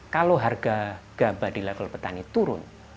kalau harga gabah di level petani turun